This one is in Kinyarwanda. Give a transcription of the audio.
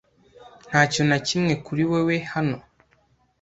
Nta kintu na kimwe kuri wewe hano.